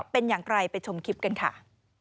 เป็นอย่างไรไปชมคลิปกันค่ะ